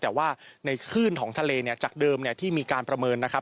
แต่ว่าในคลื่นของทะเลเนี่ยจากเดิมที่มีการประเมินนะครับ